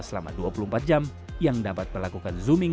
selama dua puluh empat jam yang dapat berlaku di dalam kota